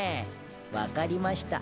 分かりました。